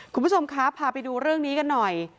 คุณผู้ชมคะพาไปดูเรื่องนี้กันหน่อย